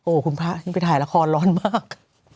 คุณพระยิ่งไปถ่ายละครร้อนมาก